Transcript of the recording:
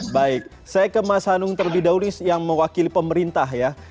baik saya ke mas hanung terlebih dahulu yang mewakili pemerintah ya